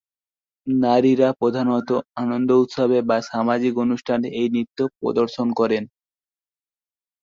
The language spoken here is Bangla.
নারীরা প্রধানত আনন্দ উৎসবে বা সামাজিক অনুষ্ঠানে এই নৃত্য প্রদর্শন করেন।